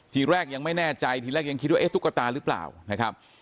ทีแรกยังไม่แน่ใจทีแรกยังคิดว่าเอ๊ะตุ๊กตาหรือเปล่านะครับ